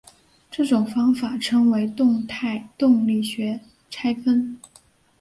这种方法称为动态动力学拆分。